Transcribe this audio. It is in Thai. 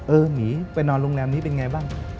หมีไปนอนโรงแรมนี้เป็นไงบ้าง